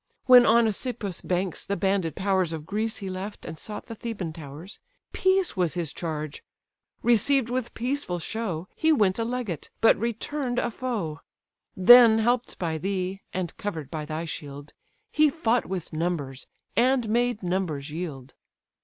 When on Æsopus' banks the banded powers Of Greece he left, and sought the Theban towers, Peace was his charge; received with peaceful show, He went a legate, but return'd a foe: Then help'd by thee, and cover'd by thy shield, He fought with numbers, and made numbers yield.